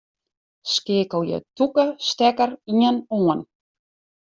Skeakelje tûke stekker ien oan.